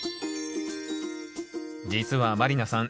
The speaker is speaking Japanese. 実は満里奈さん